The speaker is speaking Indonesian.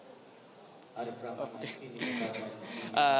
masih dalam perbandingan